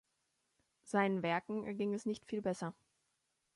Seinen Werken erging es nicht viel besser.